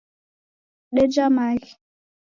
Deja maghi